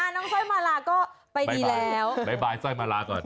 สร้อยมาลาก็ไปดีแล้วบ๊ายบายสร้อยมาลาก่อน